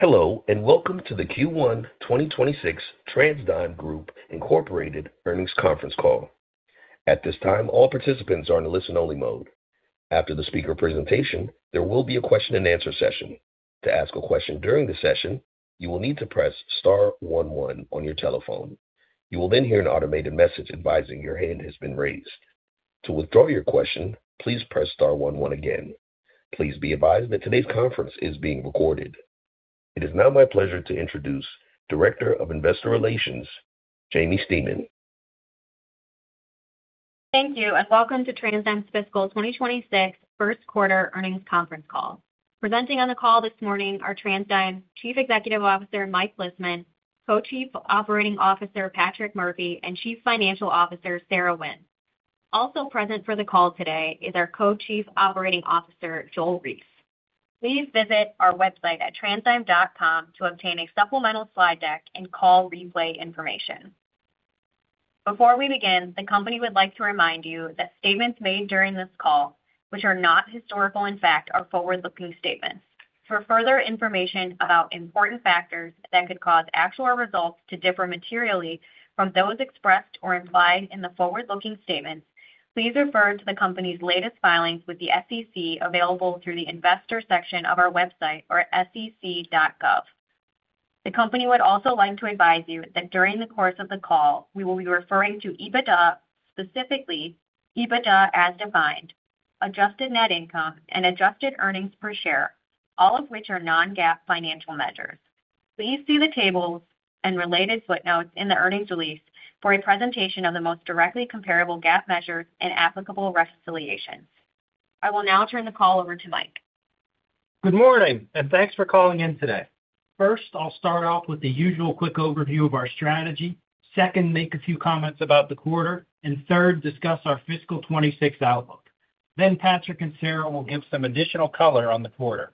Hello, and welcome to the Q1 2026 TransDigm Group Incorporated Earnings Conference Call. At this time, all participants are in a listen-only mode. After the speaker presentation, there will be a question-and-answer session. To ask a question during the session, you will need to press star one one on your telephone. You will then hear an automated message advising your hand has been raised. To withdraw your question, please press star one one again. Please be advised that today's conference is being recorded. It is now my pleasure to introduce Director of Investor Relations, Jaimie Stemen. Thank you, and welcome to TransDigm's fiscal 2026 first quarter earnings conference call. Presenting on the call this morning are TransDigm Chief Executive Officer, Mike Lisman, Co-Chief Operating Officer, Patrick Murphy, and Chief Financial Officer, Sarah Wynne. Also present for the call today is our Co-Chief Operating Officer, Joel Reiss. Please visit our website at transdigm.com to obtain a supplemental slide deck and call replay information. Before we begin, the company would like to remind you that statements made during this call, which are not historical in fact, are forward-looking statements. For further information about important factors that could cause actual results to differ materially from those expressed or implied in the forward-looking statements, please refer to the company's latest filings with the SEC, available through the investor section of our website or at sec.gov. The company would also like to advise you that during the course of the call, we will be referring to EBITDA, specifically EBITDA as defined, adjusted net income, and adjusted earnings per share, all of which are non-GAAP financial measures. Please see the tables and related footnotes in the earnings release for a presentation of the most directly comparable GAAP measures and applicable reconciliations. I will now turn the call over to Mike. Good morning, and thanks for calling in today. First, I'll start off with the usual quick overview of our strategy. Second, make a few comments about the quarter, and third, discuss our fiscal 2026 outlook. Then Patrick and Sarah will give some additional color on the quarter.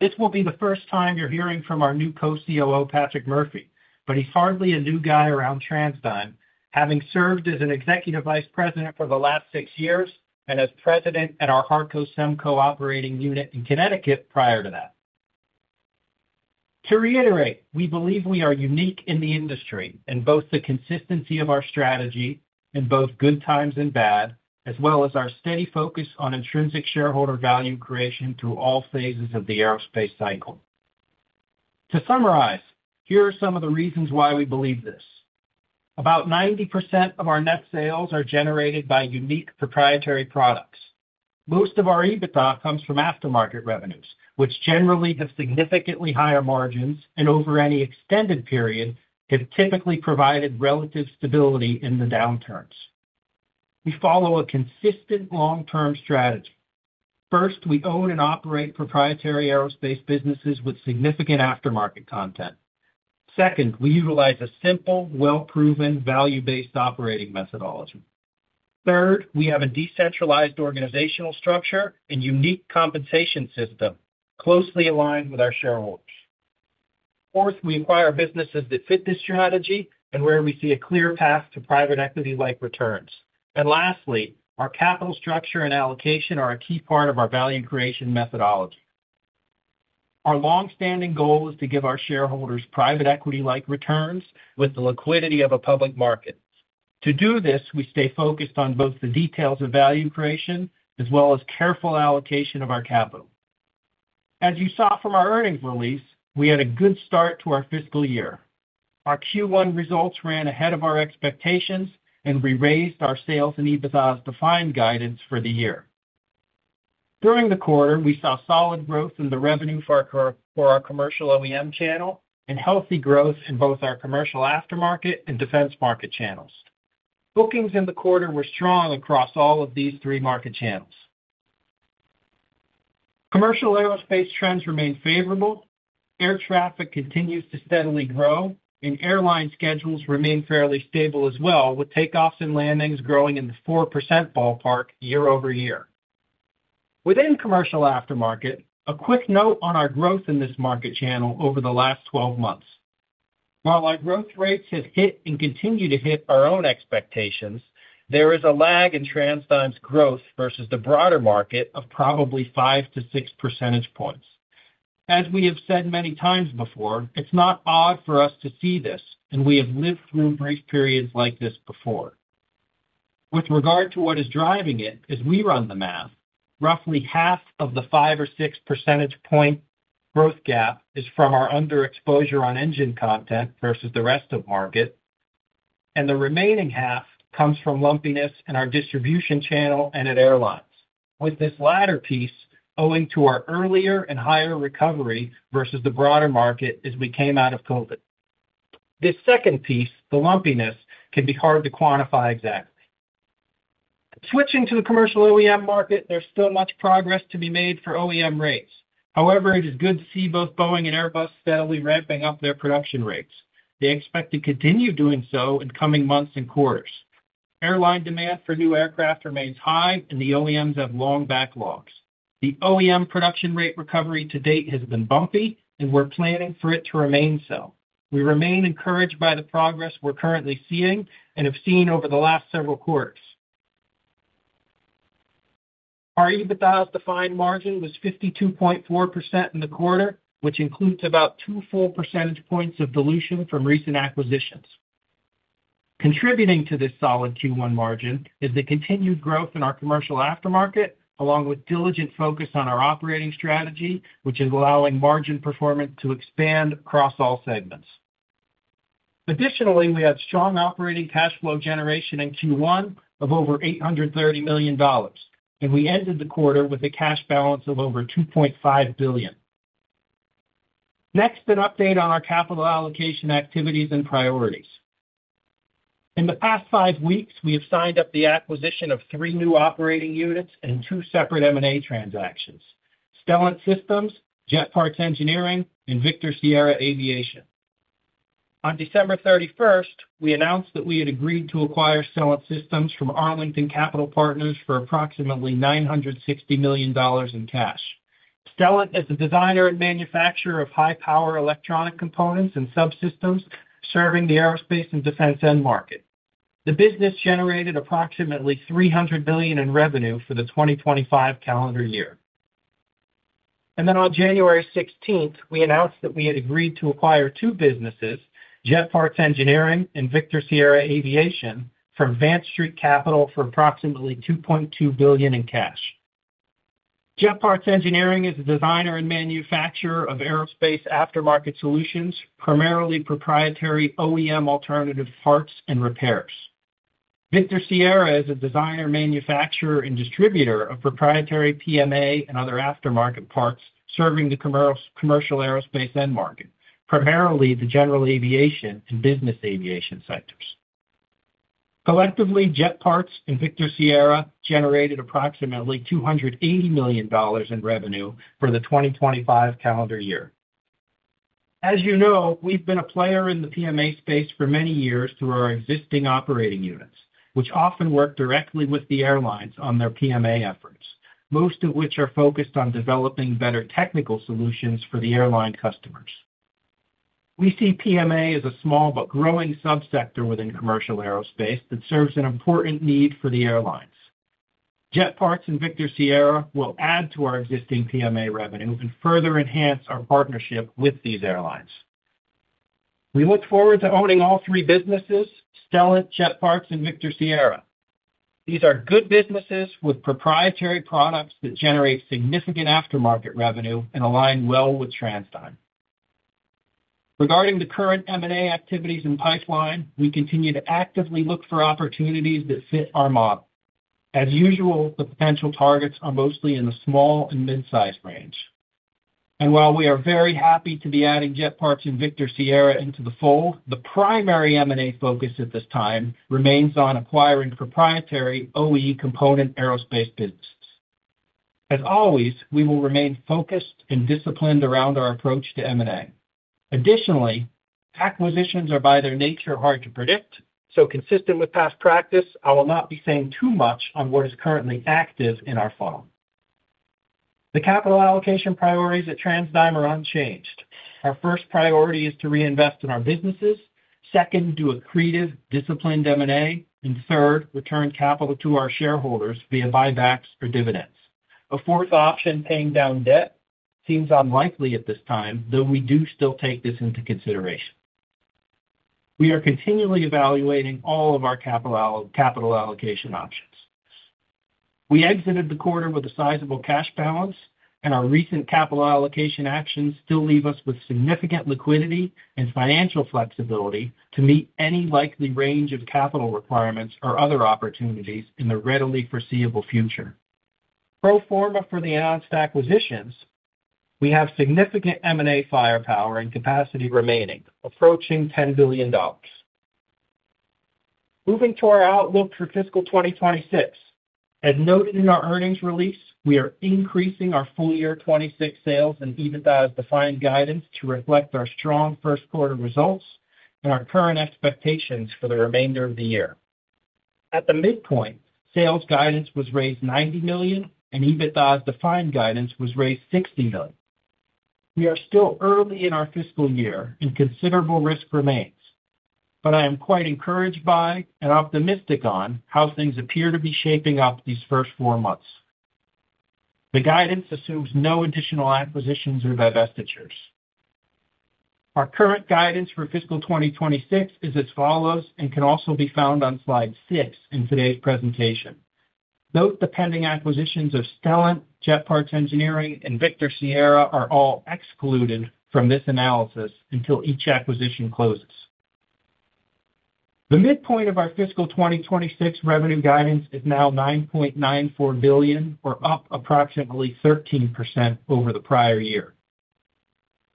This will be the first time you're hearing from our new co-COO, Patrick Murphy, but he's hardly a new guy around TransDigm, having served as an executive vice president for the last six years and as president at our HarcoSemco operating unit in Connecticut prior to that. To reiterate, we believe we are unique in the industry in both the consistency of our strategy, in both good times and bad, as well as our steady focus on intrinsic shareholder value creation through all phases of the aerospace cycle. To summarize, here are some of the reasons why we believe this. About 90% of our net sales are generated by unique proprietary products. Most of our EBITDA comes from aftermarket revenues, which generally have significantly higher margins and over any extended period, have typically provided relative stability in the downturns. We follow a consistent long-term strategy. First, we own and operate proprietary aerospace businesses with significant aftermarket content. Second, we utilize a simple, well-proven, value-based operating methodology. Third, we have a decentralized organizational structure and unique compensation system closely aligned with our shareholders. Fourth, we acquire businesses that fit this strategy and where we see a clear path to private equity-like returns. And lastly, our capital structure and allocation are a key part of our value creation methodology. Our long-standing goal is to give our shareholders private equity-like returns with the liquidity of a public market. To do this, we stay focused on both the details of value creation as well as careful allocation of our capital. As you saw from our earnings release, we had a good start to our fiscal year. Our Q1 results ran ahead of our expectations, and we raised our sales and EBITDA as defined guidance for the year. During the quarter, we saw solid growth in the revenue for our commercial OEM channel and healthy growth in both our commercial aftermarket and defense market channels. Bookings in the quarter were strong across all of these three market channels. Commercial aerospace trends remain favorable, air traffic continues to steadily grow, and airline schedules remain fairly stable as well, with takeoffs and landings growing in the 4% ballpark year-over-year. Within commercial aftermarket, a quick note on our growth in this market channel over the last 12 months. While our growth rates have hit and continue to hit our own expectations, there is a lag in TransDigm's growth versus the broader market of probably 5-6 percentage points. As we have said many times before, it's not odd for us to see this, and we have lived through brief periods like this before. With regard to what is driving it, as we run the math, roughly half of the 5 or 6 percentage point growth gap is from our underexposure on engine content versus the rest of market, and the remaining half comes from lumpiness in our distribution channel and at airlines, with this latter piece owing to our earlier and higher recovery versus the broader market as we came out of COVID. This second piece, the lumpiness, can be hard to quantify exactly. Switching to the commercial OEM market, there's still much progress to be made for OEM rates. However, it is good to see both Boeing and Airbus steadily ramping up their production rates. They expect to continue doing so in coming months and quarters. Airline demand for new aircraft remains high, and the OEMs have long backlogs. The OEM production rate recovery to date has been bumpy, and we're planning for it to remain so. We remain encouraged by the progress we're currently seeing and have seen over the last several quarters. Our EBITDA as defined margin was 52.4% in the quarter, which includes about 2 full percentage points of dilution from recent acquisitions. Contributing to this solid Q1 margin is the continued growth in our commercial aftermarket, along with diligent focus on our operating strategy, which is allowing margin performance to expand across all segments. Additionally, we had strong operating cash flow generation in Q1 of over $830 million, and we ended the quarter with a cash balance of over $2.5 billion. Next, an update on our capital allocation activities and priorities. In the past five weeks, we have signed up the acquisition of three new operating units and two separate M&A transactions, Stellant Systems, Jet Parts Engineering, and Victor Sierra Aviation. On December 31st, we announced that we had agreed to acquire Stellant Systems from Arlington Capital Partners for approximately $960 million in cash. Stellant is a designer and manufacturer of high-power electronic components and subsystems serving the aerospace and defense end market. The business generated approximately $300 million in revenue for the 2025 calendar year. And then on January 16, we announced that we had agreed to acquire two businesses, Jet Parts Engineering and Victor Sierra Aviation, from Vance Street Capital for approximately $2.2 billion in cash. Jet Parts Engineering is a designer and manufacturer of aerospace aftermarket solutions, primarily proprietary OEM alternative parts and repairs. Victor Sierra is a designer, manufacturer, and distributor of proprietary PMA and other aftermarket parts, serving the commercial, commercial aerospace end market, primarily the general aviation and business aviation sectors. Collectively, Jet Parts and Victor Sierra generated approximately $280 million in revenue for the 2025 calendar year. As you know, we've been a player in the PMA space for many years through our existing operating units, which often work directly with the airlines on their PMA efforts, most of which are focused on developing better technical solutions for the airline customers. We see PMA as a small but growing subsector within commercial aerospace that serves an important need for the airlines. Jet Parts and Victor Sierra will add to our existing PMA revenue and further enhance our partnership with these airlines. We look forward to owning all three businesses, Stellent, Jet Parts, and Victor Sierra. These are good businesses with proprietary products that generate significant aftermarket revenue and align well with TransDigm. Regarding the current M&A activities and pipeline, we continue to actively look for opportunities that fit our model. As usual, the potential targets are mostly in the small and mid-size range. And while we are very happy to be adding Jet Parts and Victor Sierra into the fold, the primary M&A focus at this time remains on acquiring proprietary OE component aerospace businesses. As always, we will remain focused and disciplined around our approach to M&A. Additionally, acquisitions are, by their nature, hard to predict, so consistent with past practice, I will not be saying too much on what is currently active in our funnel. The capital allocation priorities at TransDigm are unchanged. Our first priority is to reinvest in our businesses, second, do accretive, disciplined M&A, and third, return capital to our shareholders via buybacks or dividends. A fourth option, paying down debt, seems unlikely at this time, though we do still take this into consideration. We are continually evaluating all of our capital allocation options. We exited the quarter with a sizable cash balance, and our recent capital allocation actions still leave us with significant liquidity and financial flexibility to meet any likely range of capital requirements or other opportunities in the readily foreseeable future. Pro forma for the announced acquisitions, we have significant M&A firepower and capacity remaining, approaching $10 billion. Moving to our outlook for fiscal 2026. As noted in our earnings release, we are increasing our full-year 2026 sales and EBITDA as defined guidance to reflect our strong first quarter results and our current expectations for the remainder of the year. At the midpoint, sales guidance was raised $90 million, and EBITDA as defined guidance was raised $60 million. We are still early in our fiscal year and considerable risk remains, but I am quite encouraged by and optimistic on how things appear to be shaping up these first four months. The guidance assumes no additional acquisitions or divestitures. Our current guidance for fiscal 2026 is as follows, and can also be found on slide six in today's presentation. Note, the pending acquisitions of Stellent, Jet Parts Engineering, and Victor Sierra are all excluded from this analysis until each acquisition closes. The midpoint of our fiscal 2026 revenue guidance is now $9.94 billion, or up approximately 13% over the prior year.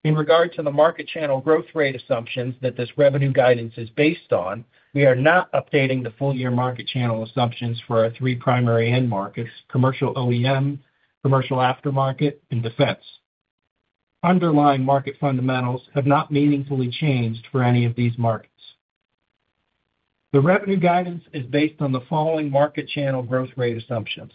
In regard to the market channel growth rate assumptions that this revenue guidance is based on, we are not updating the full-year market channel assumptions for our three primary end markets, commercial OEM, commercial aftermarket, and defense. Underlying market fundamentals have not meaningfully changed for any of these markets. The revenue guidance is based on the following market channel growth rate assumptions.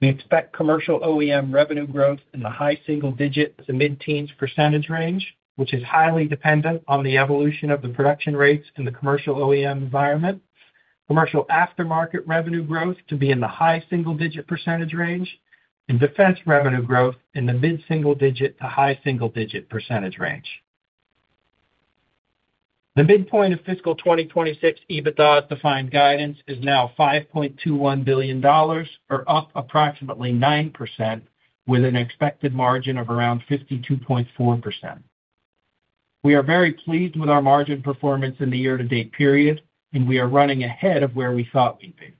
We expect commercial OEM revenue growth in the high single digits to mid-teens % range, which is highly dependent on the evolution of the production rates in the commercial OEM environment.... commercial aftermarket revenue growth to be in the high single-digit % range, and defense revenue growth in the mid-single digit to high single-digit % range. The midpoint of fiscal 2026 EBITDA-defined guidance is now $5.21 billion, or up approximately 9%, with an expected margin of around 52.4%. We are very pleased with our margin performance in the year-to-date period, and we are running ahead of where we thought we'd be.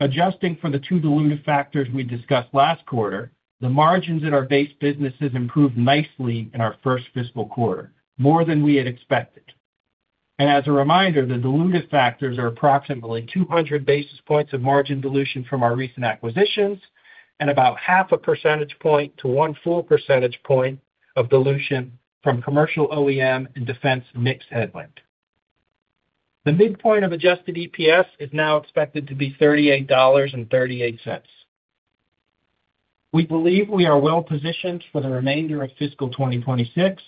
Adjusting for the two dilutive factors we discussed last quarter, the margins in our base businesses improved nicely in our first fiscal quarter, more than we had expected. As a reminder, the dilutive factors are approximately 200 basis points of margin dilution from our recent acquisitions and about 0.5-1 percentage point of dilution from commercial OEM and defense mix headwind. The midpoint of adjusted EPS is now expected to be $38.38. We believe we are well positioned for the remainder of fiscal 2026.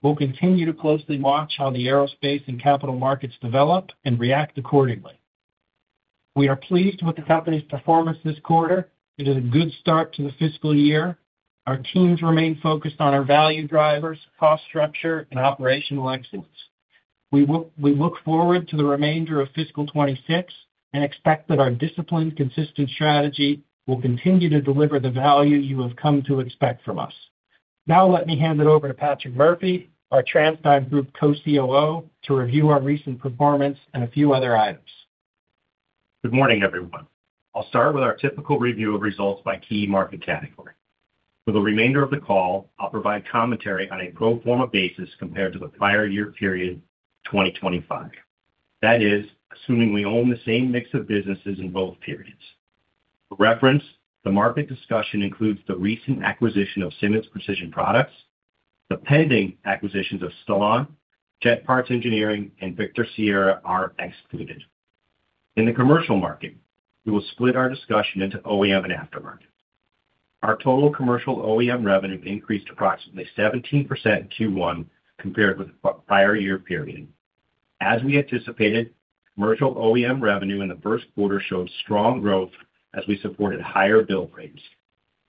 We'll continue to closely watch how the aerospace and capital markets develop and react accordingly. We are pleased with the company's performance this quarter. It is a good start to the fiscal year. Our teams remain focused on our value drivers, cost structure, and operational excellence. We look forward to the remainder of fiscal 26 and expect that our disciplined, consistent strategy will continue to deliver the value you have come to expect from us. Now let me hand it over to Patrick Murphy, our TransDigm Group Co-COO, to review our recent performance and a few other items. Good morning, everyone. I'll start with our typical review of results by key market category. For the remainder of the call, I'll provide commentary on a pro forma basis compared to the prior year period, 2025. That is, assuming we own the same mix of businesses in both periods. For reference, the market discussion includes the recent acquisition of Simmonds Precision Products. The pending acquisitions of Stalon, Jet Parts Engineering, and Victor Sierra are excluded. In the commercial market, we will split our discussion into OEM and aftermarket. Our total commercial OEM revenue increased approximately 17% in Q1 compared with the prior year period. As we anticipated, commercial OEM revenue in the first quarter showed strong growth as we supported higher build rates.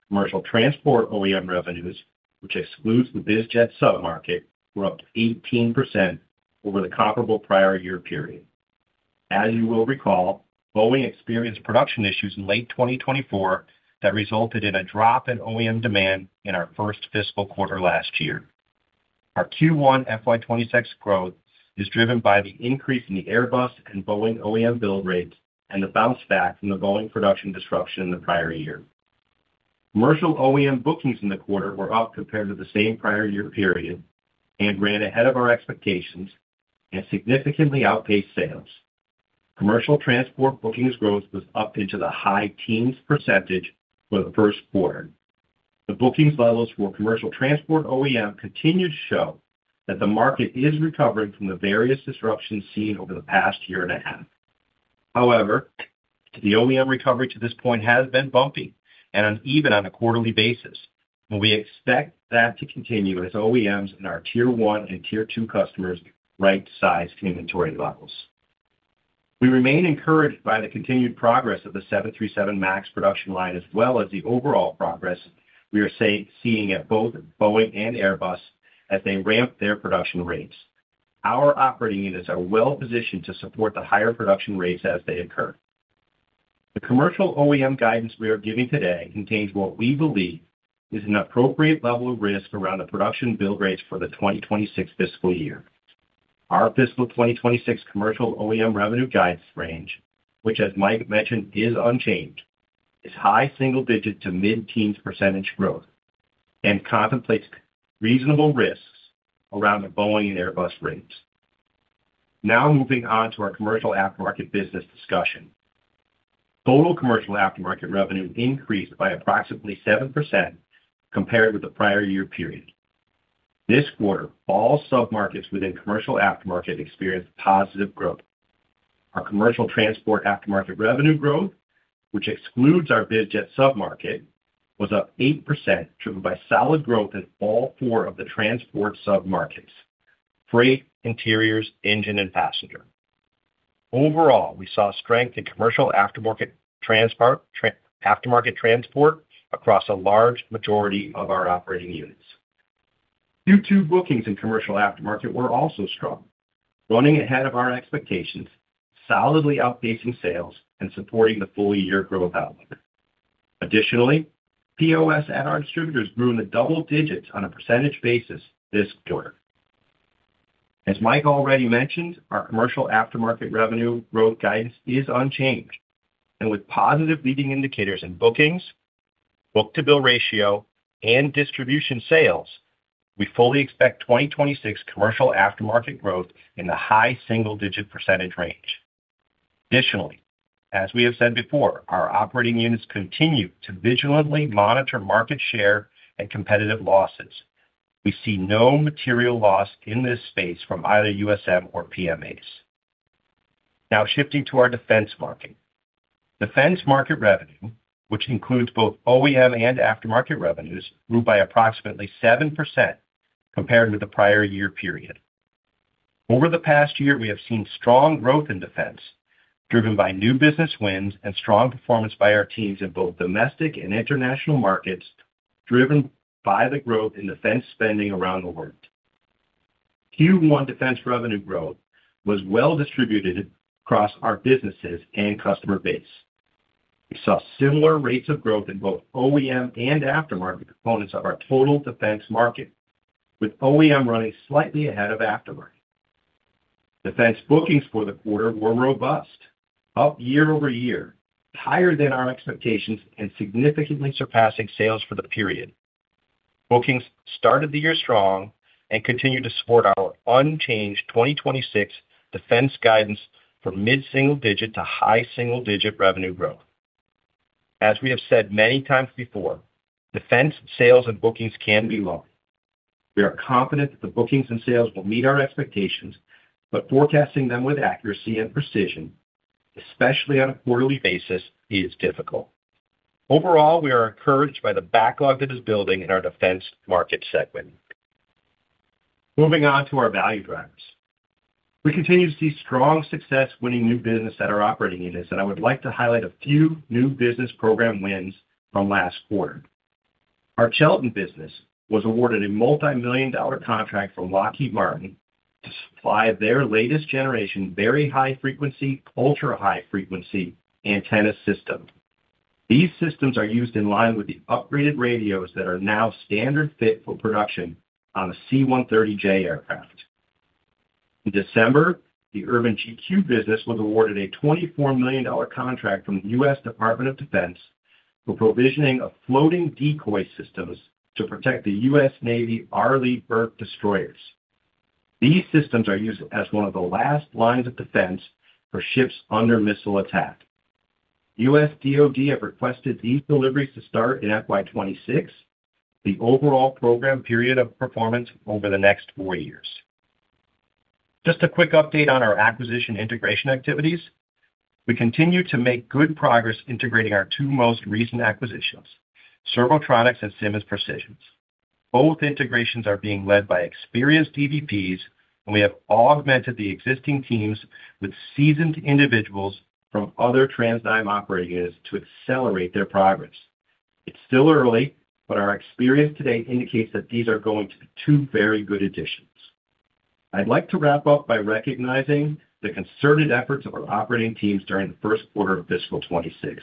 Commercial transport OEM revenues, which excludes the biz jet sub-market, were up 18% over the comparable prior year period. As you will recall, Boeing experienced production issues in late 2024 that resulted in a drop in OEM demand in our first fiscal quarter last year. Our Q1 FY 2026 growth is driven by the increase in the Airbus and Boeing OEM build rates and the bounce back from the Boeing production disruption in the prior year. Commercial OEM bookings in the quarter were up compared to the same prior year period and ran ahead of our expectations and significantly outpaced sales. Commercial transport bookings growth was up into the high teens% for the first quarter. The bookings levels for commercial transport OEM continued to show that the market is recovering from the various disruptions seen over the past year and a half. However, the OEM recovery to this point has been bumpy and uneven on a quarterly basis, and we expect that to continue as OEMs and our tier one and tier two customers right-size inventory levels. We remain encouraged by the continued progress of the 737 MAX production line, as well as the overall progress we are seeing at both Boeing and Airbus as they ramp their production rates. Our operating units are well positioned to support the higher production rates as they occur. The commercial OEM guidance we are giving today contains what we believe is an appropriate level of risk around the production build rates for the 2026 fiscal year. Our fiscal 2026 commercial OEM revenue guidance range, which, as Mike mentioned, is unchanged, is high single-digit to mid-teens % growth and contemplates reasonable risks around the Boeing and Airbus rates. Now moving on to our commercial aftermarket business discussion. Total commercial aftermarket revenue increased by approximately 7% compared with the prior year period. This quarter, all submarkets within commercial aftermarket experienced positive growth. Our commercial transport aftermarket revenue growth, which excludes our biz jet submarket, was up 8%, driven by solid growth in all four of the transport submarkets: freight, interiors, engine, and passenger. Overall, we saw strength in commercial aftermarket transport across a large majority of our operating units. Q2 bookings in commercial aftermarket were also strong, running ahead of our expectations, solidly outpacing sales and supporting the full year growth outlook. Additionally, POS at our distributors grew in the double digits on a percentage basis this quarter. As Mike already mentioned, our commercial aftermarket revenue growth guidance is unchanged, and with positive leading indicators in bookings, book-to-bill ratio, and distribution sales, we fully expect 2026 commercial aftermarket growth in the high single-digit % range. Additionally, as we have said before, our operating units continue to vigilantly monitor market share and competitive losses. We see no material loss in this space from either USM or PMAs. Now, shifting to our defense market. Defense market revenue, which includes both OEM and aftermarket revenues, grew by approximately 7% compared with the prior year period. Over the past year, we have seen strong growth in defense, driven by new business wins and strong performance by our teams in both domestic and international markets, driven by the growth in defense spending around the world. Q1 defense revenue growth was well distributed across our businesses and customer base. We saw similar rates of growth in both OEM and aftermarket components of our total defense market, with OEM running slightly ahead of aftermarket. Defense bookings for the quarter were robust, up year-over-year, higher than our expectations, and significantly surpassing sales for the period. Bookings started the year strong and continued to support our unchanged 2026 defense guidance from mid-single-digit to high single-digit revenue growth. As we have said many times before, defense sales and bookings can be long. We are confident that the bookings and sales will meet our expectations, but forecasting them with accuracy and precision, especially on a quarterly basis, is difficult. Overall, we are encouraged by the backlog that is building in our defense market segment. Moving on to our value drivers. We continue to see strong success winning new business at our operating units, and I would like to highlight a few new business program wins from last quarter. Our Chelton business was awarded a multimillion-dollar contract from Lockheed Martin to supply their latest generation, very high frequency, ultra-high frequency antenna system. These systems are used in line with the upgraded radios that are now standard fit for production on a C-130J aircraft. In December, the IrvinGQ business was awarded a $24 million contract from the U.S. Department of Defense for provisioning of floating decoy systems to protect the U.S. Navy, Arleigh Burke destroyers. These systems are used as one of the last lines of defense for ships under missile attack. U.S. DoD have requested these deliveries to start in FY 2026, the overall program period of performance over the next four years. Just a quick update on our acquisition integration activities. We continue to make good progress integrating our two most recent acquisitions, Servotronics and Simmonds Precisions. Both integrations are being led by experienced EVPs, and we have augmented the existing teams with seasoned individuals from other TransDigm operating units to accelerate their progress. It's still early, but our experience today indicates that these are going to be two very good additions. I'd like to wrap up by recognizing the concerted efforts of our operating teams during the first quarter of fiscal 2026.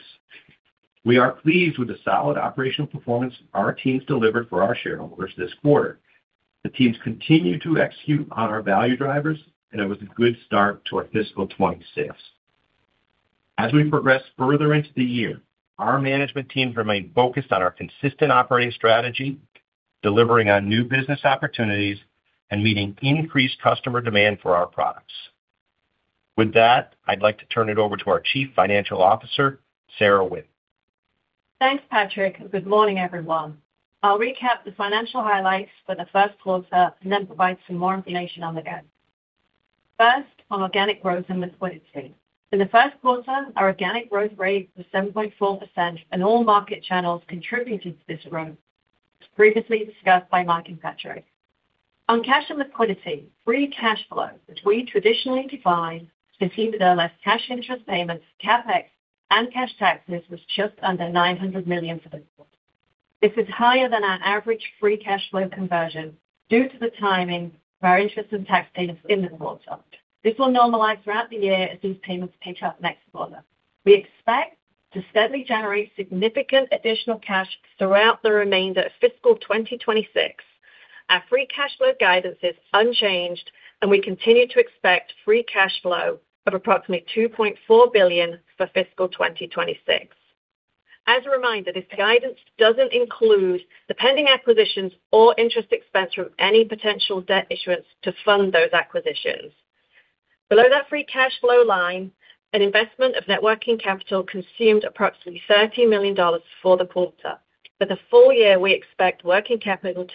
We are pleased with the solid operational performance our teams delivered for our shareholders this quarter. The teams continue to execute on our value drivers, and it was a good start to our fiscal 2026. As we progress further into the year, our management team remains focused on our consistent operating strategy, delivering on new business opportunities, and meeting increased customer demand for our products. With that, I'd like to turn it over to our Chief Financial Officer, Sarah Wynne. Thanks, Patrick, and good morning, everyone. I'll recap the financial highlights for the first quarter and then provide some more information on the guide. First, on organic growth and liquidity. In the first quarter, our organic growth rate was 7.4%, and all market channels contributed to this growth, previously discussed by Mike and Patrick. On cash and liquidity, free cash flow, which we traditionally define as EBITDA less cash interest payments, CapEx, and cash taxes, was just under $900 million for this quarter. This is higher than our average free cash flow conversion due to the timing of our interest and tax payments in this quarter. This will normalize throughout the year as these payments pick up next quarter. We expect to steadily generate significant additional cash throughout the remainder of fiscal 2026. Our free cash flow guidance is unchanged, and we continue to expect free cash flow of approximately $2.4 billion for fiscal 2026. As a reminder, this guidance doesn't include the pending acquisitions or interest expense from any potential debt issuance to fund those acquisitions. Below that free cash flow line, an investment of net working capital consumed approximately $30 million for the quarter. For the full year, we expect working capital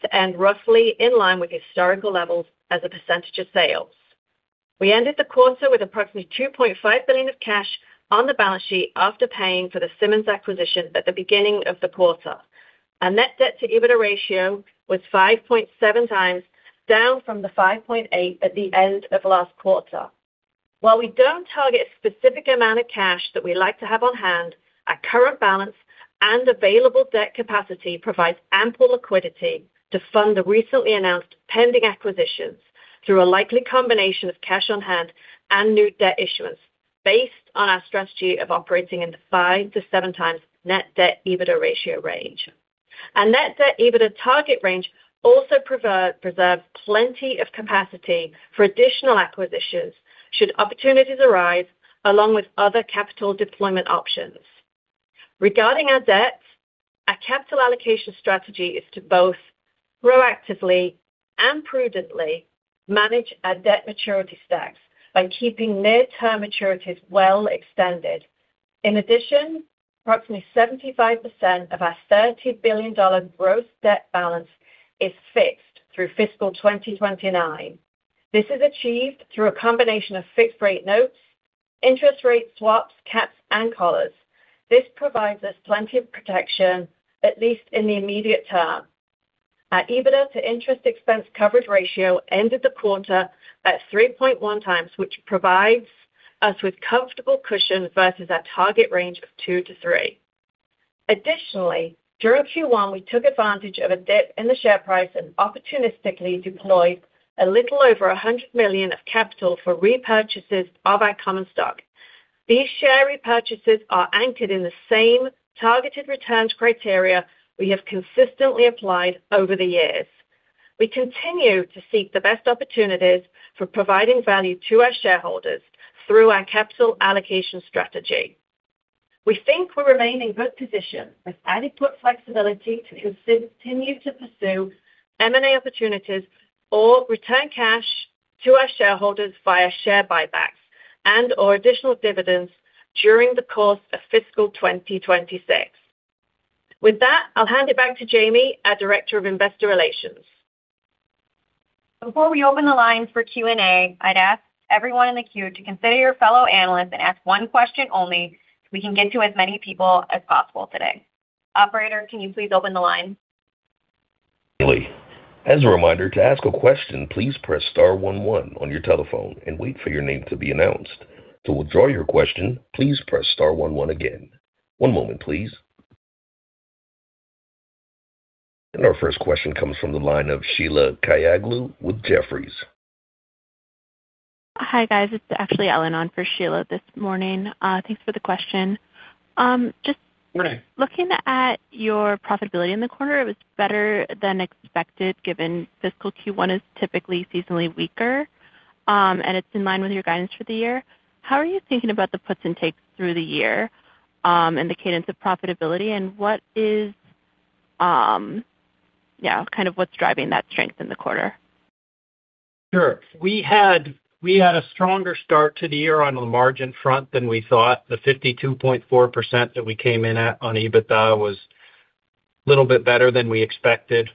to end roughly in line with historical levels as a percentage of sales. We ended the quarter with approximately $2.5 billion of cash on the balance sheet after paying for the Simmonds acquisition at the beginning of the quarter. Our net debt to EBITDA ratio was 5.7 times, down from the 5.8 at the end of last quarter. While we don't target a specific amount of cash that we like to have on hand, our current balance and available debt capacity provides ample liquidity to fund the recently announced pending acquisitions through a likely combination of cash on hand and new debt issuance, based on our strategy of operating in the 5-7 times net debt EBITDA ratio range. Our net debt EBITDA target range also preserves plenty of capacity for additional acquisitions should opportunities arise, along with other capital deployment options. Regarding our debt, our capital allocation strategy is to both proactively and prudently manage our debt maturity stacks by keeping near-term maturities well extended. In addition, approximately 75% of our $30 billion gross debt balance is fixed through fiscal 2029. This is achieved through a combination of fixed rate notes, interest rate swaps, caps, and collars. This provides us plenty of protection, at least in the immediate term. Our EBITDA to interest expense coverage ratio ended the quarter at 3.1 times, which provides us with comfortable cushion versus our target range of 2-3. Additionally, during Q1, we took advantage of a dip in the share price and opportunistically deployed a little over $100 million of capital for repurchases of our common stock. These share repurchases are anchored in the same targeted returns criteria we have consistently applied over the years. We continue to seek the best opportunities for providing value to our shareholders through our capital allocation strategy. We think we remain in good position, with adequate flexibility to continue to pursue M&A opportunities or return cash to our shareholders via share buybacks and or additional dividends during the course of fiscal 2026. With that, I'll hand it back to Jaimie, our Director of Investor Relations. Before we open the lines for Q&A, I'd ask everyone in the queue to consider your fellow analysts and ask one question only, so we can get to as many people as possible today. Operator, can you please open the line? As a reminder, to ask a question, please press star one one on your telephone and wait for your name to be announced. To withdraw your question, please press star one one again. One moment, please. Our first question comes from the line of Sheila Kahyaoglu with Jefferies. Hi, guys. It's actually Eleanor on for Sheila this morning. Thanks for the question. Just- Morning. Looking at your profitability in the quarter, it was better than expected, given fiscal Q1 is typically seasonally weaker, and it's in line with your guidance for the year. How are you thinking about the puts and takes through the year, and the cadence of profitability, and what is, yeah, kind of what's driving that strength in the quarter? Sure. We had a stronger start to the year on the margin front than we thought. The 52.4% that we came in at on EBITDA was a little bit better than we expected.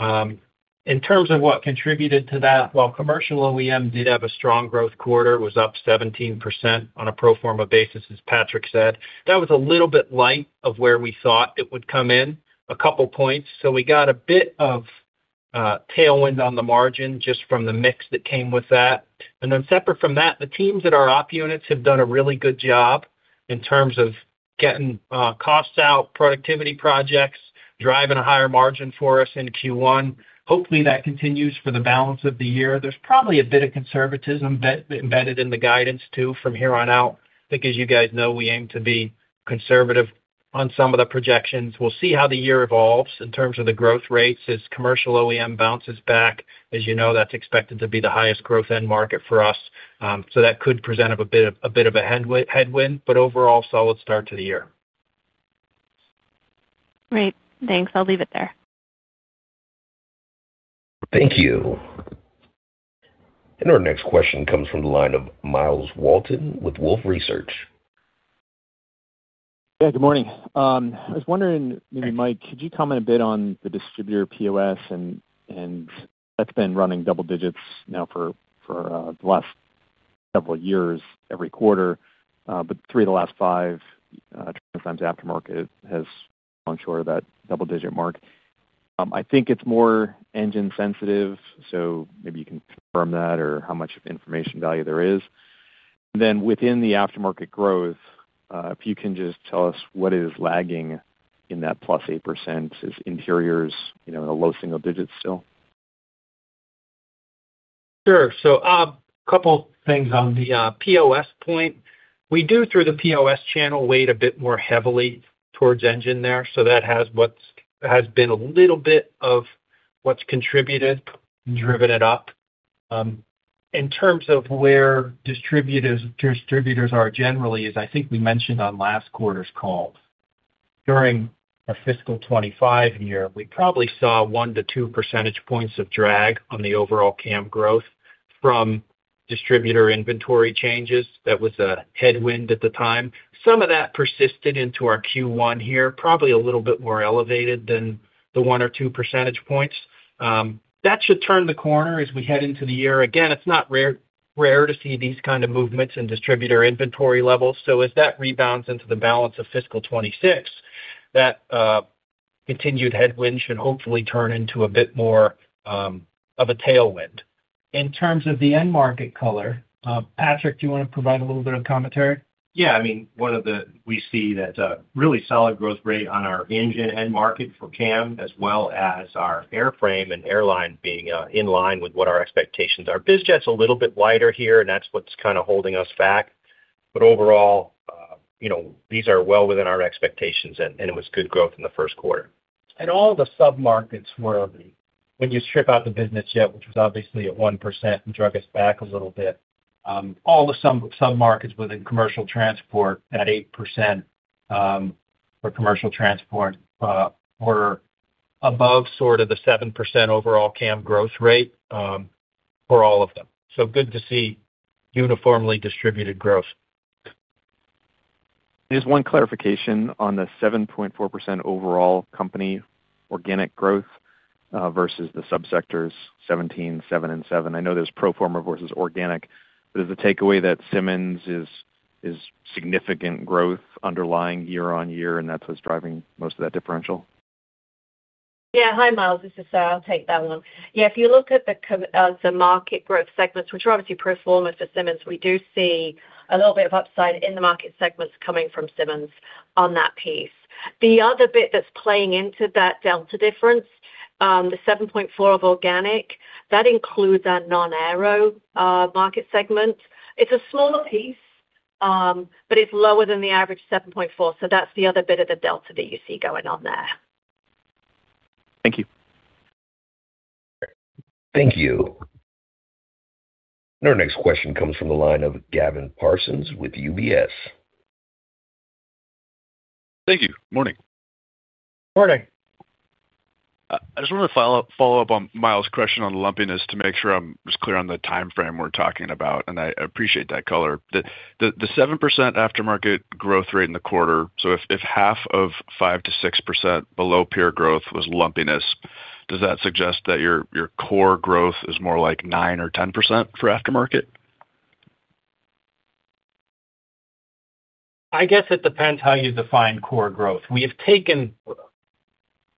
In terms of what contributed to that, while commercial OEM did have a strong growth quarter, was up 17% on a pro forma basis, as Patrick said, that was a little bit light of where we thought it would come in, a couple points. So we got a bit of tailwind on the margin just from the mix that came with that. And then separate from that, the teams at our op units have done a really good job in terms of getting costs out, productivity projects, driving a higher margin for us into Q1. Hopefully, that continues for the balance of the year. There's probably a bit of conservatism embedded in the guidance, too, from here on out. I think, as you guys know, we aim to be conservative on some of the projections. We'll see how the year evolves in terms of the growth rates as commercial OEM bounces back. As you know, that's expected to be the highest growth end market for us, so that could present a bit of, a bit of a headwind, but overall solid start to the year. Great. Thanks. I'll leave it there. Thank you. And our next question comes from the line of Myles Walton with Wolfe Research. Yeah, good morning. I was wondering, maybe, Mike, could you comment a bit on the distributor POS and that's been running double digits now for the last several years, every quarter, but three of the last five times aftermarket has fallen short of that double digit mark. I think it's more engine sensitive, so maybe you can confirm that or how much information value there is. Then within the aftermarket growth, if you can just tell us what is lagging in that plus 8%. Is interiors, you know, in the low single digits still? Sure. So, a couple things on the POS point. We do, through the POS channel, weight a bit more heavily towards engine there, so that has been a little bit of what's contributed, driven it up. In terms of where distributors are generally, as I think we mentioned on last quarter's call, during our fiscal 2025 year, we probably saw 1-2 percentage points of drag on the overall CAM growth from distributor inventory changes. That was a headwind at the time. Some of that persisted into our Q1 here, probably a little bit more elevated than the 1-2 percentage points. That should turn the corner as we head into the year. Again, it's not rare to see these kind of movements in distributor inventory levels. So as that rebounds into the balance of fiscal 2026, that continued headwind should hopefully turn into a bit more of a tailwind. In terms of the end market color, Patrick, do you want to provide a little bit of commentary? Yeah, I mean, we see that really solid growth rate on our engine end market for CAM, as well as our airframe and airline being in line with what our expectations are. BizJet's a little bit wider here, and that's what's kind of holding us back. But overall, you know, these are well within our expectations, and it was good growth in the first quarter. All the submarkets were, when you strip out the business jet, which was obviously at 1% and dragged us back a little bit, all the sub-submarkets within commercial transport at 8%, for commercial transport, were above sort of the 7% overall CAM growth rate, for all of them. So good to see uniformly distributed growth.... Just one clarification on the 7.4% overall company organic growth versus the subsectors 17, 7, and 7. I know there's pro forma versus organic. But is the takeaway that Simmons is significant growth underlying year-on-year, and that's what's driving most of that differential? Yeah. Hi, Myles, this is Sarah. I'll take that one. Yeah, if you look at the market growth segments, which are obviously pro forma for Simmons, we do see a little bit of upside in the market segments coming from Simmons on that piece. The other bit that's playing into that delta difference, the 7.4 of organic, that includes our non-aero market segment. It's a smaller piece, but it's lower than the average 7.4, so that's the other bit of the delta that you see going on there. Thank you. Thank you. Our next question comes from the line of Gavin Parsons with UBS. Thank you. Morning. Morning. I just wanted to follow up on Myles' question on the lumpiness to make sure I'm just clear on the timeframe we're talking about, and I appreciate that color. The 7% aftermarket growth rate in the quarter, so if half of 5%-6% below peer growth was lumpiness, does that suggest that your core growth is more like 9% or 10% for aftermarket? I guess it depends how you define core growth.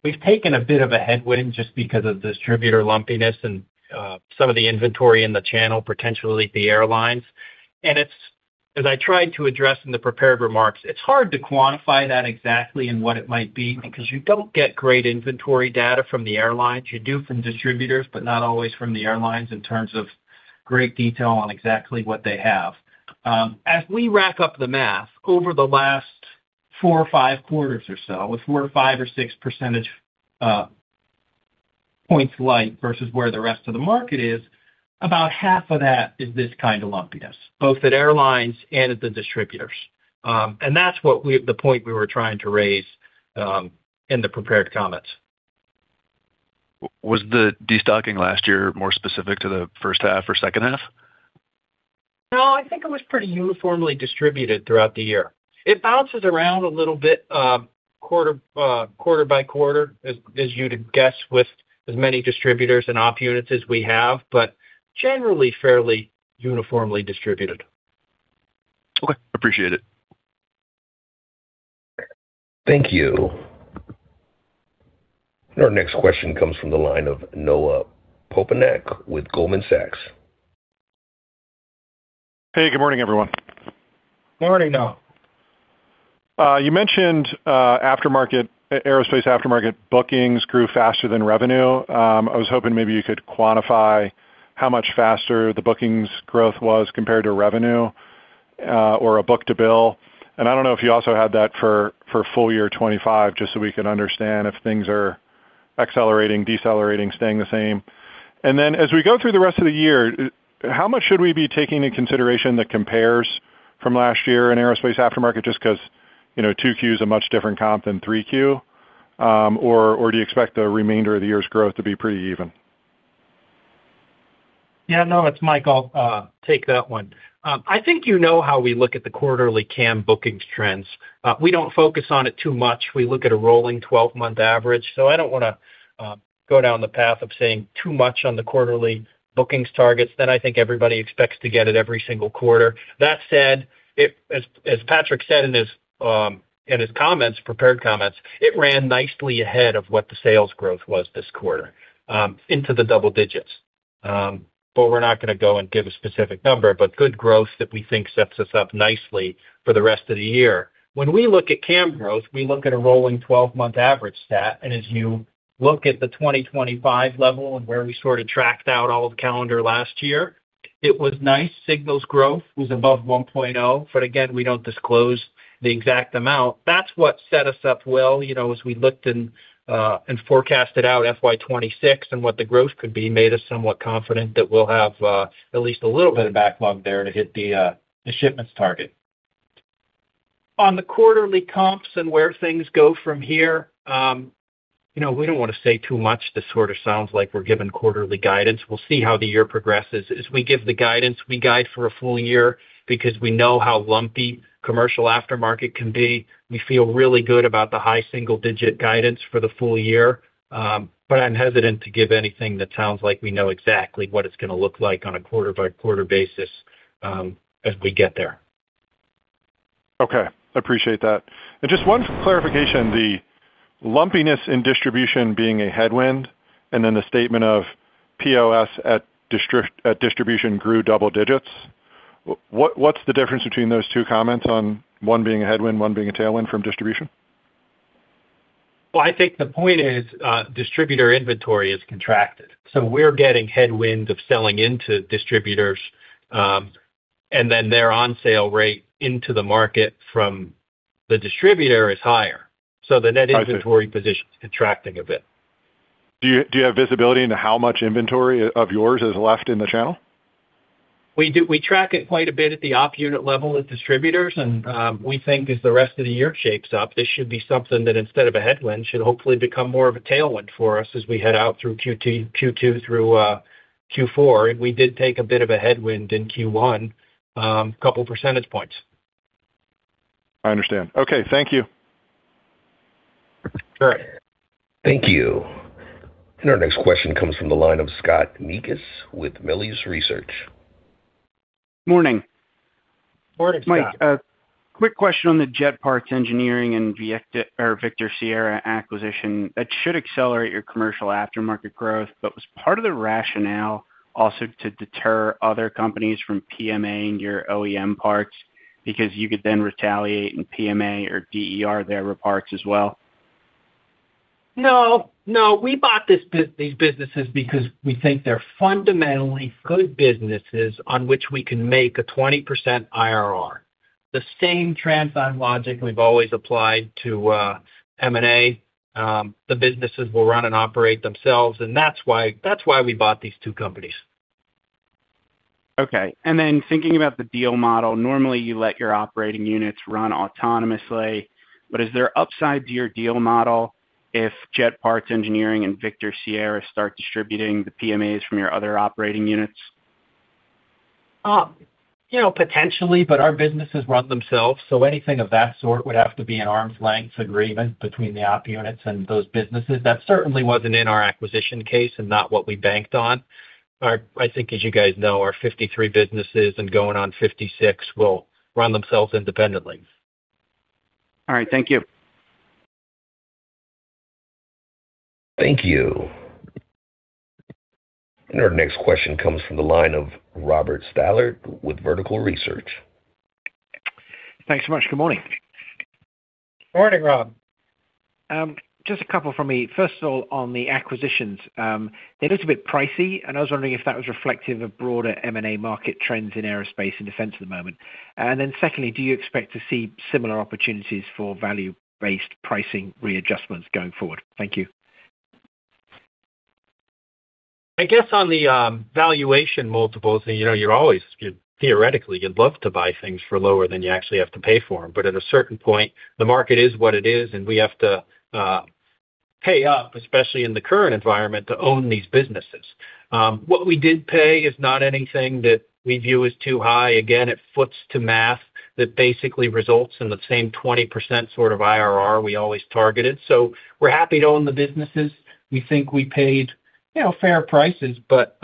We've taken a bit of a headwind just because of distributor lumpiness and some of the inventory in the channel, potentially at the airlines. It's, as I tried to address in the prepared remarks, hard to quantify that exactly and what it might be because you don't get great inventory data from the airlines. You do from distributors, but not always from the airlines in terms of great detail on exactly what they have. As we rack up the math, over the last four or five quarters or so, with 4 or 5 or 6 percentage points light versus where the rest of the market is, about half of that is this kind of lumpiness, both at airlines and at the distributors. That's the point we were trying to raise in the prepared comments. Was the destocking last year more specific to the first half or second half? No, I think it was pretty uniformly distributed throughout the year. It bounces around a little bit, quarter by quarter, as you'd guess, with as many distributors and off units as we have, but generally fairly uniformly distributed. Okay, appreciate it. Thank you. Our next question comes from the line of Noah Poponak with Goldman Sachs. Hey, good morning, everyone. Morning, Noah. You mentioned, aftermarket, aerospace aftermarket bookings grew faster than revenue. I was hoping maybe you could quantify how much faster the bookings growth was compared to revenue, or a book to bill. And I don't know if you also had that for full year 2025, just so we can understand if things are accelerating, decelerating, staying the same. And then as we go through the rest of the year, how much should we be taking into consideration the compares from last year in aerospace aftermarket, just because, you know, 2Q is a much different comp than 3Q, or do you expect the remainder of the year's growth to be pretty even? Yeah, no, it's Mike. I'll take that one. I think you know how we look at the quarterly CAM bookings trends. We don't focus on it too much. We look at a rolling 12-month average, so I don't wanna go down the path of saying too much on the quarterly bookings targets. Then I think everybody expects to get it every single quarter. That said, it, as Patrick said in his comments, prepared comments, it ran nicely ahead of what the sales growth was this quarter, into the double digits. But we're not gonna go and give a specific number, but good growth that we think sets us up nicely for the rest of the year. When we look at CAM growth, we look at a rolling 12-month average stat, and as you look at the 2025 level and where we sort of tracked out all of calendar last year, it was nice. Signals growth was above 1.0, but again, we don't disclose the exact amount. That's what set us up well, you know, as we looked and forecasted out FY 2026 and what the growth could be, made us somewhat confident that we'll have at least a little bit of backlog there to hit the shipments target. On the quarterly comps and where things go from here, you know, we don't wanna say too much. This sort of sounds like we're giving quarterly guidance. We'll see how the year progresses. As we give the guidance, we guide for a full year because we know how lumpy commercial aftermarket can be. We feel really good about the high single-digit guidance for the full year, but I'm hesitant to give anything that sounds like we know exactly what it's gonna look like on a quarter-by-quarter basis, as we get there. Okay, appreciate that. And just one clarification, the lumpiness in distribution being a headwind and then the statement of POS at distribution grew double digits. What, what's the difference between those two comments on one being a headwind, one being a tailwind from distribution? Well, I think the point is, distributor inventory is contracted, so we're getting headwinds of selling into distributors, and then their on-sale rate into the market from the distributor is higher. I see. The net inventory position is contracting a bit. Do you have visibility into how much inventory of yours is left in the channel? We do. We track it quite a bit at the op unit level with distributors, and we think as the rest of the year shapes up, this should be something that, instead of a headwind, should hopefully become more of a tailwind for us as we head out through Q2 through Q4. We did take a bit of a headwind in Q1, couple percentage points. I understand. Okay, thank you.... Thank you. And our next question comes from the line of Scott Mikus with Melius Research. Morning. Morning, Scott. Mike, quick question on the Jet Parts Engineering and Victor Sierra acquisition. That should accelerate your commercial aftermarket growth, but was part of the rationale also to deter other companies from PMA and your OEM parts, because you could then retaliate in PMA or DER their parts as well? No. No, we bought these businesses because we think they're fundamentally good businesses on which we can make a 20% IRR. The same TransDigm logic we've always applied to M&A, the businesses will run and operate themselves, and that's why, that's why we bought these two companies. Okay, and then thinking about the deal model, normally you let your operating units run autonomously, but is there upside to your deal model if Jet Parts Engineering and Victor Sierra start distributing the PMAs from your other operating units? You know, potentially, but our businesses run themselves, so anything of that sort would have to be an arm's length agreement between the op units and those businesses. That certainly wasn't in our acquisition case and not what we banked on. Our, I think, as you guys know, our 53 businesses and going on 56, will run themselves independently. All right. Thank you. Thank you. Our next question comes from the line of Robert Stallard with Vertical Research. Thanks so much. Good morning. Morning, Rob. Just a couple from me. First of all, on the acquisitions, they're a little bit pricey, and I was wondering if that was reflective of broader M&A market trends in aerospace and defense at the moment. Then secondly, do you expect to see similar opportunities for value-based pricing readjustments going forward? Thank you. I guess, on the valuation multiples, and, you know, you're always, theoretically, you'd love to buy things for lower than you actually have to pay for them, but at a certain point, the market is what it is, and we have to pay up, especially in the current environment, to own these businesses. What we did pay is not anything that we view as too high. Again, it foots to math that basically results in the same 20% sort of IRR we always targeted. So we're happy to own the businesses. We think we paid, you know, fair prices, but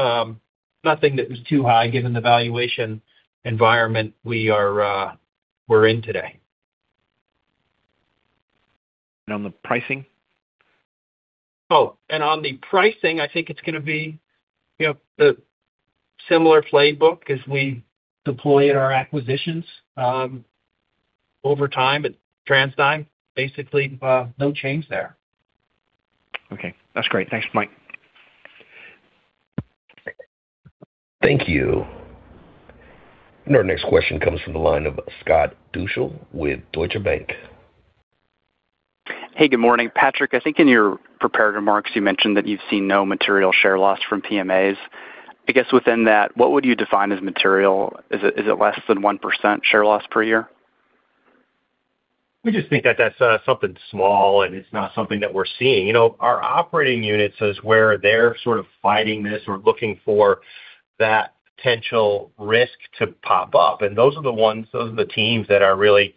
nothing that was too high given the valuation environment we're in today. On the pricing? Oh, and on the pricing, I think it's gonna be, you know, the similar playbook as we deploy in our acquisitions, over time at TransDigm. Basically, no change there. Okay. That's great. Thanks, Mike. Thank you. Our next question comes from the line of Scott Deuschle with Deutsche Bank. Hey, good morning. Patrick, I think in your prepared remarks, you mentioned that you've seen no material share loss from PMAs. I guess within that, what would you define as material? Is it, is it less than 1% share loss per year? We just think that that's something small, and it's not something that we're seeing. You know, our operating units is where they're sort of fighting this or looking for that potential risk to pop up, and those are the ones, those are the teams that are really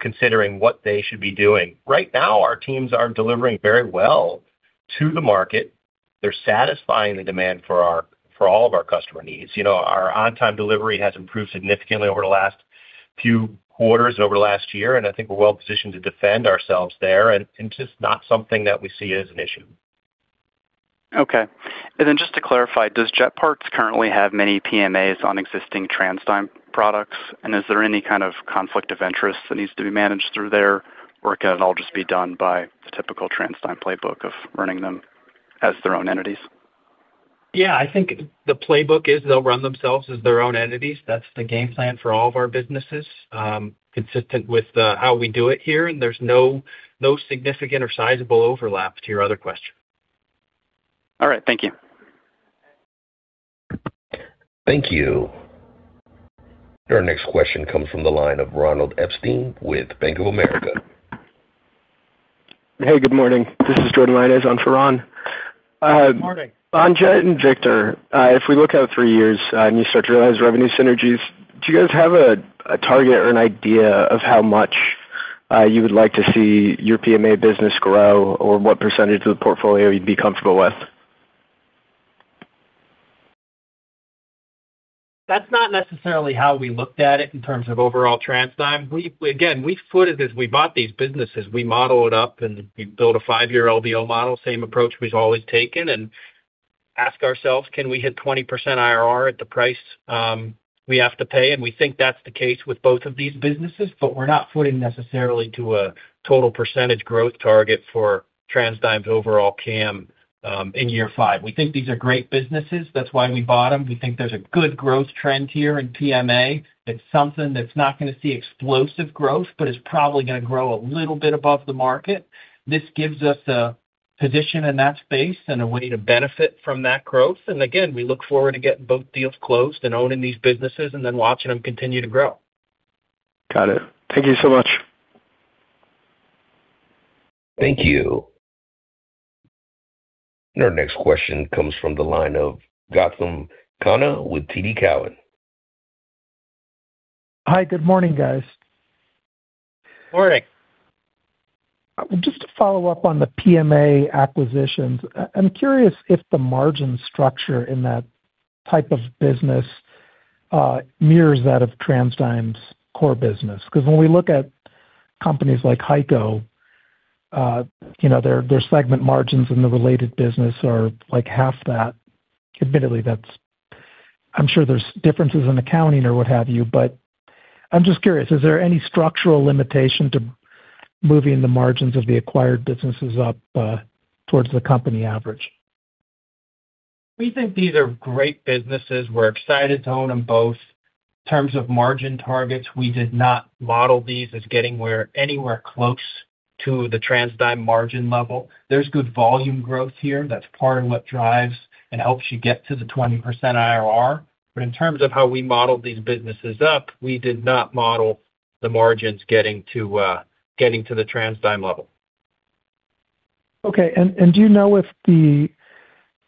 considering what they should be doing. Right now, our teams are delivering very well to the market. They're satisfying the demand for all of our customer needs. You know, our on-time delivery has improved significantly over the last few quarters, over the last year, and I think we're well positioned to defend ourselves there, and it's just not something that we see as an issue. Okay. And then just to clarify, does Jet Parts currently have many PMAs on existing TransDigm products? And is there any kind of conflict of interest that needs to be managed through there, or can it all just be done by the typical TransDigm playbook of running them as their own entities? Yeah, I think the playbook is they'll run themselves as their own entities. That's the game plan for all of our businesses, consistent with how we do it here, and there's no, no significant or sizable overlap to your other question. All right. Thank you. Thank you. Our next question comes from the line of Ronald Epstein with Bank of America. Hey, good morning. This is Jordan Lyonnais on for Ron. Good morning. On Jet and Victor, if we look out three years and you start to realize revenue synergies, do you guys have a target or an idea of how much you would like to see your PMA business grow or what percentage of the portfolio you'd be comfortable with? That's not necessarily how we looked at it in terms of overall TransDigm. We, again, we footed this. We bought these businesses. We model it up, and we built a five-year LBO model, same approach we've always taken, and ask ourselves: Can we hit 20% IRR at the price we have to pay? And we think that's the case with both of these businesses, but we're not footing necessarily to a total percentage growth target for TransDigm's overall CAM in year five. We think these are great businesses. That's why we bought them. We think there's a good growth trend here in PMA. It's something that's not gonna see explosive growth, but it's probably gonna grow a little bit above the market. This gives us a position in that space and a way to benefit from that growth. Again, we look forward to getting both deals closed and owning these businesses and then watching them continue to grow. Got it. Thank you so much. Thank you. And our next question comes from the line of Gautam Khanna with TD Cowen. Hi, good morning, guys. Morning! Just to follow up on the PMA acquisitions, I'm curious if the margin structure in that type of business mirrors that of TransDigm's core business. Because when we look at companies like HEICO, you know, their, their segment margins in the related business are, like, half that. Admittedly, that's. I'm sure there's differences in accounting or what have you, but I'm just curious, is there any structural limitation to moving the margins of the acquired businesses up towards the company average? We think these are great businesses. We're excited to own them both. In terms of margin targets, we did not model these as getting anywhere close to the TransDigm margin level. There's good volume growth here. That's part of what drives and helps you get to the 20% IRR. But in terms of how we modeled these businesses up, we did not model the margins getting to the TransDigm level. Okay. And do you know if the,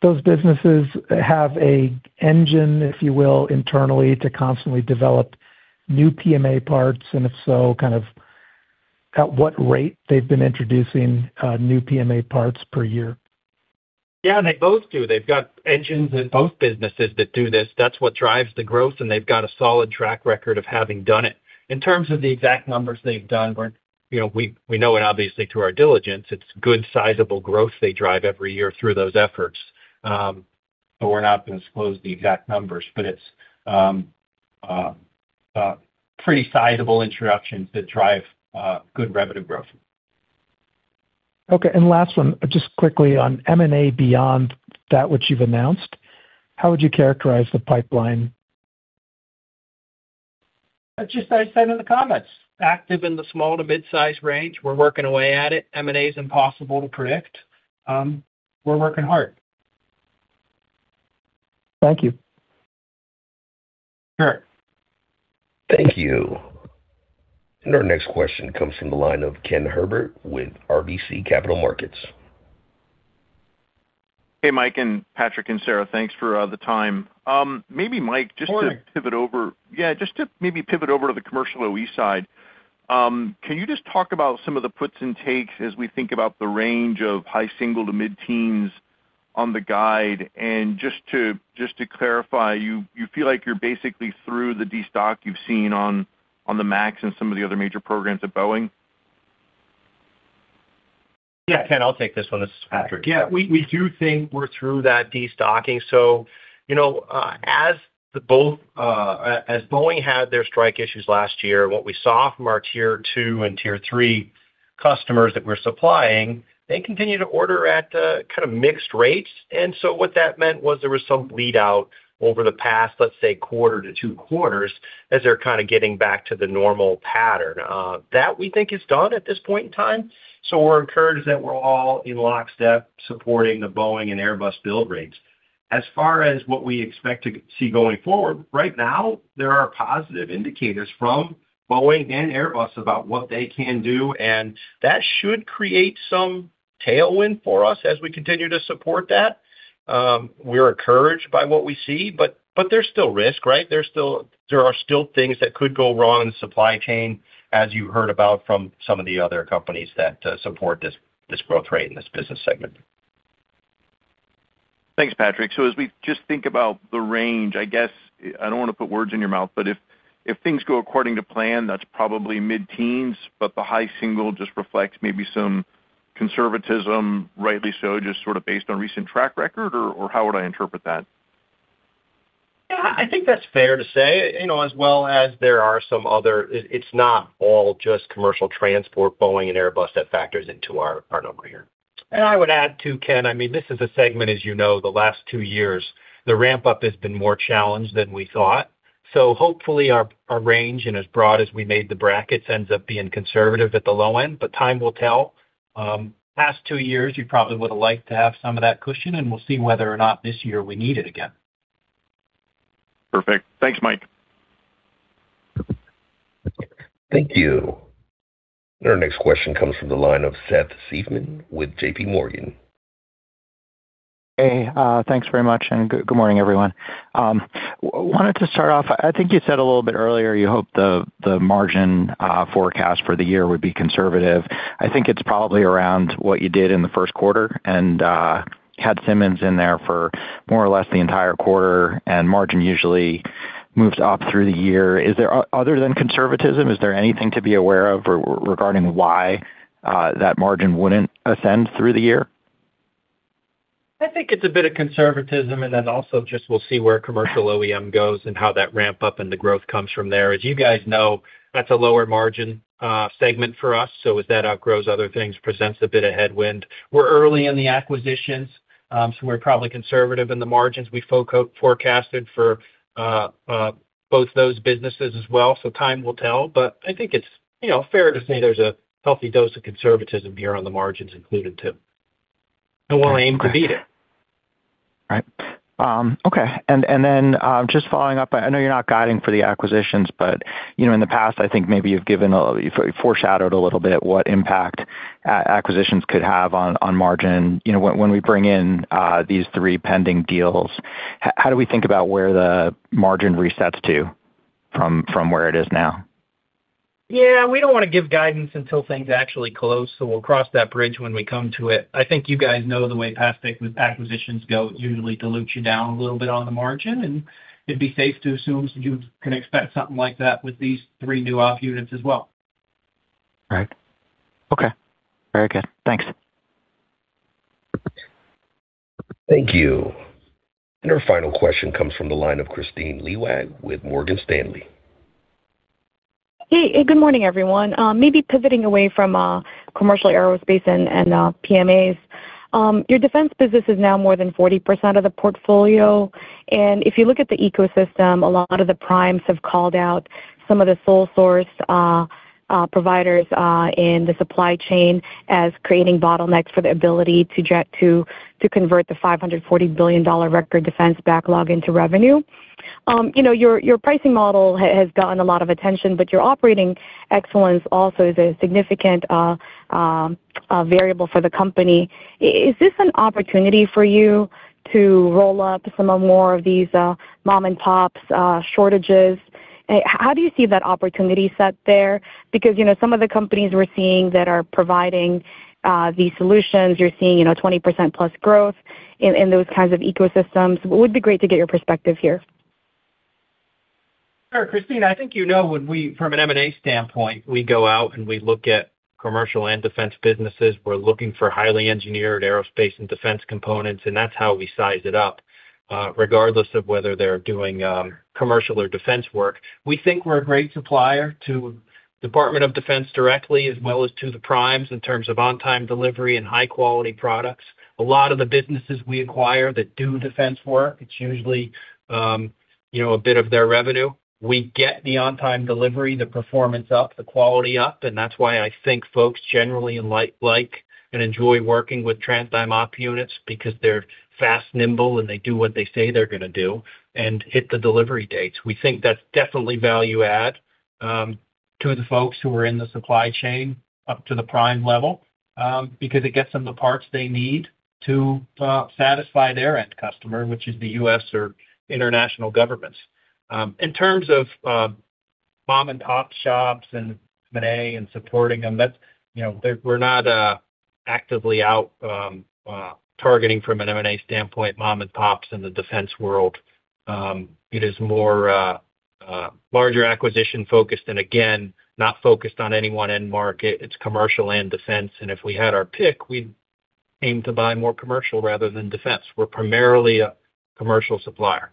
those businesses have an engine, if you will, internally, to constantly develop new PMA parts? And if so, kind of at what rate they've been introducing new PMA parts per year? Yeah, they both do. They've got engines in both businesses that do this. That's what drives the growth, and they've got a solid track record of having done it. In terms of the exact numbers they've done, we're you know, we know it obviously through our diligence, it's good sizable growth they drive every year through those efforts. But we're not going to disclose the exact numbers, but it's pretty sizable introductions that drive good revenue growth. Okay, and last one, just quickly on M&A beyond that which you've announced, how would you characterize the pipeline? Just as I said in the comments, active in the small to mid-size range. We're working away at it. M&A is impossible to predict. We're working hard. Thank you. Sure. Thank you. Our next question comes from the line of Ken Herbert with RBC Capital Markets. Hey, Mike and Patrick and Sarah, thanks for the time. Maybe Mike, just- Morning. -to pivot over... Yeah, just to maybe pivot over to the commercial OE side. Can you just talk about some of the puts and takes as we think about the range of high single to mid-teens on the guide? And just to clarify, you feel like you're basically through the destock you've seen on the MAX and some of the other major programs at Boeing? Yeah, Ken, I'll take this one. This is Patrick. Yeah, we, we do think we're through that destocking. So, you know, as the both, as Boeing had their strike issues last year, what we saw from our Tier 2 and Tier 3 customers that we're supplying, they continue to order at, kind of mixed rates. And so what that meant was there was some lead out over the past, let's say, quarter to two quarters, as they're kind of getting back to the normal pattern. That we think is done at this point in time. So we're encouraged that we're all in lockstep, supporting the Boeing and Airbus build rates. As far as what we expect to see going forward, right now, there are positive indicators from Boeing and Airbus about what they can do, and that should create some tailwind for us as we continue to support that. We're encouraged by what we see, but there's still risk, right? There are still things that could go wrong in the supply chain, as you heard about from some of the other companies that support this growth rate in this business segment. Thanks, Patrick. So as we just think about the range, I guess, I don't want to put words in your mouth, but if things go according to plan, that's probably mid-teens, but the high single just reflects maybe some conservatism, rightly so, just sort of based on recent track record, or how would I interpret that? Yeah, I think that's fair to say. You know, as well as there are some other. It, it's not all just commercial transport, Boeing and Airbus, that factors into our, our number here. And I would add, too, Ken, I mean, this is a segment, as you know, the last two years, the ramp-up has been more challenged than we thought. So hopefully, our range and as broad as we made the brackets, ends up being conservative at the low end, but time will tell. Past two years, you probably would have liked to have some of that cushion, and we'll see whether or not this year we need it again. Perfect. Thanks, Mike. Thank you. Our next question comes from the line of Seth Seifman with JPMorgan. Hey, thanks very much, and good morning, everyone. Wanted to start off, I think you said a little bit earlier, you hope the margin forecast for the year would be conservative. I think it's probably around what you did in the first quarter, and had Simmons in there for more or less the entire quarter, and margin usually moves up through the year. Is there, other than conservatism, anything to be aware of regarding why that margin wouldn't ascend through the year? I think it's a bit of conservatism, and then also just we'll see where commercial OEM goes and how that ramp up and the growth comes from there. As you guys know, that's a lower margin segment for us, so as that outgrows, other things presents a bit of headwind. We're early in the acquisitions, so we're probably conservative in the margins we forecasted for both those businesses as well. Time will tell, but I think it's, you know, fair to say there's a healthy dose of conservatism here on the margins included, too. We'll aim to beat it. Right. Okay. And then, just following up, I know you're not guiding for the acquisitions, but, you know, in the past, I think maybe you've given a—you've foreshadowed a little bit what impact acquisitions could have on, on margin. You know, when, when we bring in, these three pending deals, how do we think about where the margin resets to from, from where it is now? Yeah, we don't wanna give guidance until things actually close, so we'll cross that bridge when we come to it. I think you guys know the way past acquisitions go, it usually dilutes you down a little bit on the margin, and it'd be safe to assume you can expect something like that with these three new op units as well. Right. Okay. Very good. Thanks. Thank you. Our final question comes from the line of Kristine Liwag with Morgan Stanley. Hey, good morning, everyone. Maybe pivoting away from commercial aerospace and PMAs. Your defense business is now more than 40% of the portfolio, and if you look at the ecosystem, a lot of the primes have called out some of the sole source providers in the supply chain as creating bottlenecks for the ability to get to convert the $540 billion record defense backlog into revenue. You know, your pricing model has gotten a lot of attention, but your operating excellence also is a significant variable for the company. Is this an opportunity for you to roll up some more of these mom-and-pops shortages? How do you see that opportunity set there? Because, you know, some of the companies we're seeing that are providing these solutions, you're seeing, you know, 20%+ growth in those kinds of ecosystems. It would be great to get your perspective here. Sure, Kristine. I think you know, when we, from an M&A standpoint, we go out and we look at commercial and defense businesses, we're looking for highly engineered aerospace and defense components, and that's how we size it up, regardless of whether they're doing commercial or defense work. We think we're a great supplier to Department of Defense directly, as well as to the primes in terms of on-time delivery and high quality products. A lot of the businesses we acquire that do defense work, it's usually you know, a bit of their revenue. We get the on-time delivery, the performance up, the quality up, and that's why I think folks generally like, like and enjoy working with TransDigm op units, because they're fast, nimble, and they do what they say they're gonna do and hit the delivery dates. We think that's definitely value add to the folks who are in the supply chain up to the prime level, because it gets them the parts they need to satisfy their end customer, which is the U.S. or international governments. In terms of mom-and-pop shops and M&A and supporting them, that's, you know, we're not actively out targeting from an M&A standpoint, mom and pops in the defense world. It is more larger acquisition focused, and again, not focused on any one end market. It's commercial and defense, and if we had our pick, we'd aim to buy more commercial rather than defense. We're primarily a commercial supplier.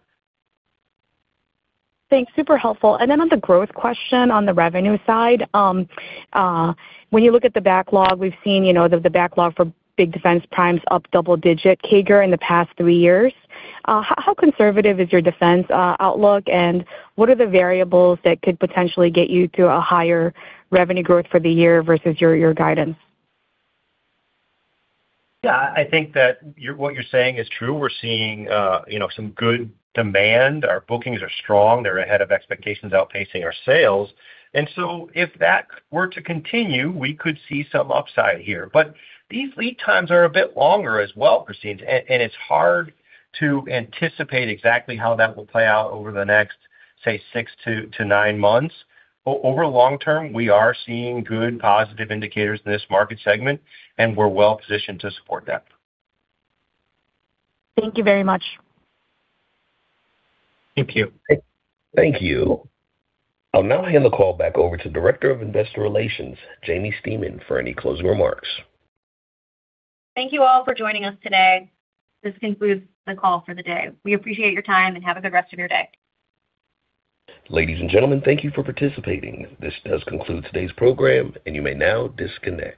Thanks, super helpful. And then on the growth question, on the revenue side, when you look at the backlog, we've seen, you know, the backlog for big defense primes up double digit CAGR in the past three years. How conservative is your defense outlook, and what are the variables that could potentially get you to a higher revenue growth for the year versus your, your guidance? Yeah, I think that what you're saying is true. We're seeing, you know, some good demand. Our bookings are strong. They're ahead of expectations, outpacing our sales. And so if that were to continue, we could see some upside here. But these lead times are a bit longer as well, Kristine, and it's hard to anticipate exactly how that will play out over the next, say, six to nine months. Over long term, we are seeing good positive indicators in this market segment, and we're well positioned to support that. Thank you very much. Thank you. Thank you. I'll now hand the call back over to Director of Investor Relations, Jaimie Stemen, for any closing remarks. Thank you all for joining us today. This concludes the call for the day. We appreciate your time, and have a good rest of your day. Ladies and gentlemen, thank you for participating. This does conclude today's program, and you may now disconnect.